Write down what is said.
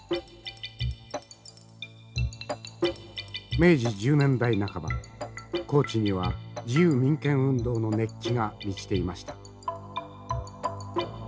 明治１０年代半ば高知には自由民権運動の熱気が満ちていました。